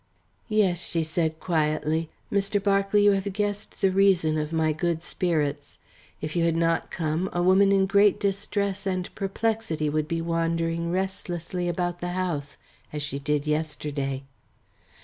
"Yes," she said quietly, "Mr. Berkeley, you have guessed the reason of my good spirits. If you had not come, a woman in great distress and perplexity would be wandering restlessly about the house, as she did yesterday."